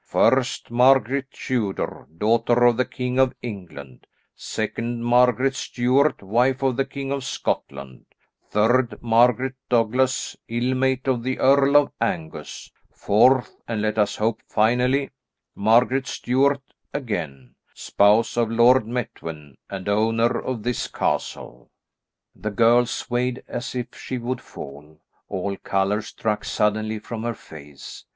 "First, Margaret Tudor, daughter of the King of England, second, Margaret Stuart, wife of the King of Scotland, third, Margaret Douglas, ill mate of the Earl of Angus; fourth, and let us hope finally, Margaret Stuart again, spouse of Lord Methven, and owner of this castle." The girl swayed as if she would fall, all colour struck suddenly from her face.